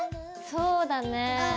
そうだねぇ。